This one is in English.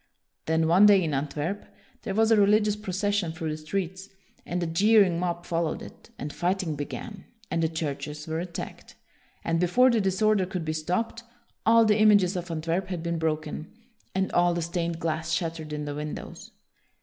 Then, one day in Antwerp, there was a religious procession through the streets, and a jeering mob followed it, and fighting began, and the churches were attacked, and before the disorder could be stopped all the images of Antwerp had been broken, and all the stained glass shattered in the windows.